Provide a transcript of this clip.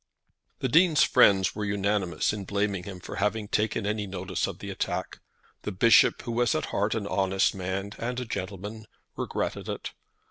'" The Dean's friends were unanimous in blaming him for having taken any notice of the attack. The Bishop, who was at heart an honest man and a gentleman, regretted it.